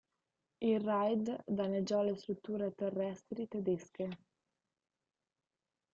Il raid danneggiò le strutture terrestri tedesche.